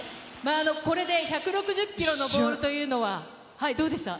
これで１６０キロのボールというのはどうでした？